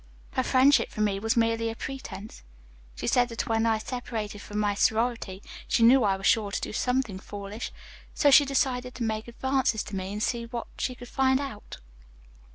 "Her friendship for me was merely a pretense. She said that when I separated from my sorority she knew I was sure to do something foolish, so she decided to make advances to me and see what she could find out.